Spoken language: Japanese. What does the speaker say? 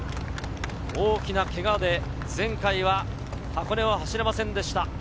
大きなけがで前回は箱根を走れませんでした。